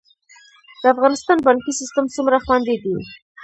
د افغانستان بانکي سیستم څومره خوندي دی؟